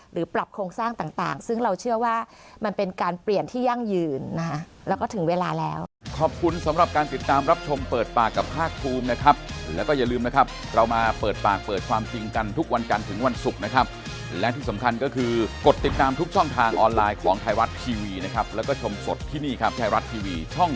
ปรับโครงสร้างต่างซึ่งเราเชื่อว่ามันเป็นการเปลี่ยนที่ยั่งยืนนะฮะแล้วก็ถึงเวลาแล้ว